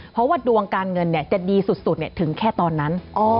เพราะว่าดวงการเงินจะดีสุดถึงแค่ตอนนั้น